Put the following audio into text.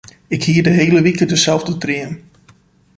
Ik hie al de hiele wike deselde dream.